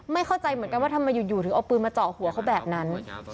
เข้าใจเหมือนกันว่าทำไมอยู่ถึงเอาปืนมาเจาะหัวเขาแบบนั้น